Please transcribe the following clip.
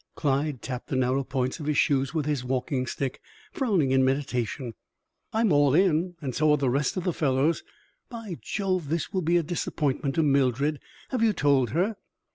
Clyde tapped the narrow points of his shoes with his walking stick, frowning in meditation. "I'm all in, and so are the rest of the fellows. By Jove, this will be a disappointment to Mildred! Have you told her?"